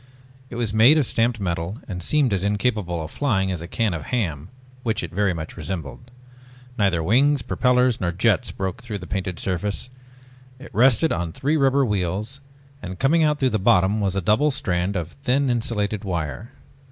It was made of stamped metal and seemed as incapable of flying as a can of ham which it very much resembled. Neither wings, propellors, nor jets broke through the painted surface. It rested on three rubber wheels and coming out through the bottom was a double strand of thin insulated wire.